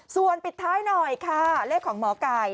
ส่วนปิดท้ายหน่อยค่ะเลขของหมอไก่